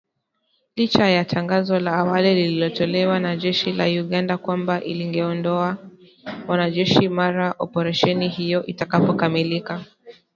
Licha ya tangazo la awali lililotolewa na jeshi la Uganda kwamba lingeondoa wanajeshi mara operesheni hiyo itakapokamilika